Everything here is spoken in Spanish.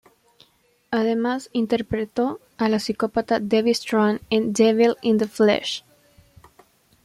Además, interpretó a la psicópata Debbie Strand en "Devil in the Flesh".